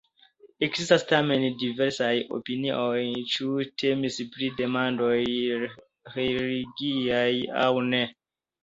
Ekzistas tamen diversaj opinioj, ĉu temis pri demandoj religiaj aŭ ne.